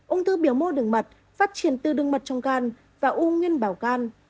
ung thư biểu mô đường mật phát triển từ đường mật trong gan và ung nguyên bảo gan